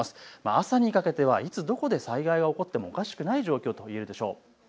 朝にかけてはいつどこで災害が起こってもおかしくない状況と言えるでしょう。